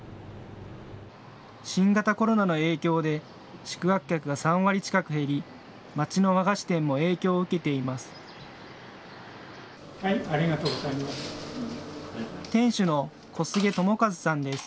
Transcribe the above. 新型コロナの影響で宿泊客が３割近く減り町の和菓子店も影響を受けています。